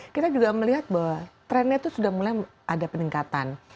kita juga melihat bahwa trennya itu sudah mulai ada peningkatan